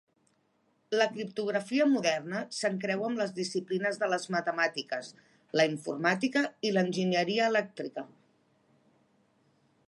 La criptografia moderna s'encreua amb les disciplines de les matemàtiques, la informàtica i l'enginyeria elèctrica.